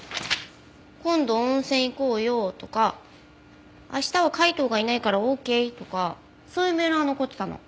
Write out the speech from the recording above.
「今度温泉行こうよ」とか「明日は海東がいないからＯＫ！」とかそういうメールは残ってたの。